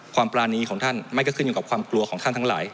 ปรานีของท่านไม่ก็ขึ้นอยู่กับความกลัวของท่านทั้งหลาย